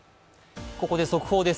ここで速報です。